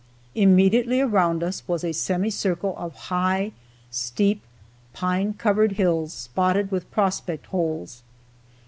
Immediately around us was a semicircle of high, steep, pine covered hills spotted with prospect holes.